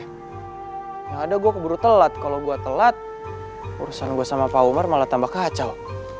yang ada gue keburu telat kalo gue telat urusan gue sama pak umar malah tambah kacau